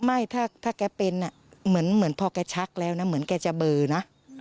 ไม่ถ้าแกเป็นเหมือนพอแกชักแล้วนะเหมือนแกจะเบอร์นะ